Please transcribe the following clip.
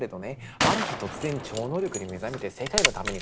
ある日突然超能力に目覚めて世界のために戦うとね。